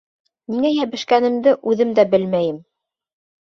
Ниңә йәбешкәнемде үҙем дә белмәйем.